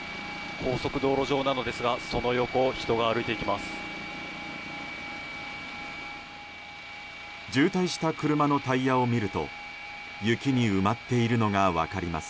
高速道路上なのですが、その横を人が歩いていきます。